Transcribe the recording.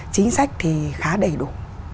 chính sách thì khá đầy đủ